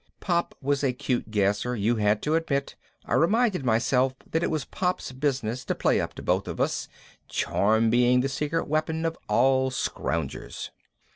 Pop was a cute gasser, you had to admit. I reminded myself that it was Pop's business to play up to the both of us, charm being the secret weapon of all scroungers.